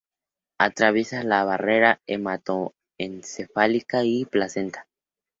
Atraviesa la barrera hematoencefálica y la placenta.